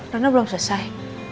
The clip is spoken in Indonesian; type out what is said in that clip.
rena belum selesai